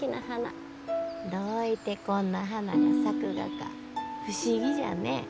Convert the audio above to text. どういてこんな花が咲くがか不思議じゃね。